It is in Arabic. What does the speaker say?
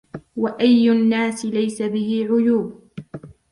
وأي الناس ليس به عيوب.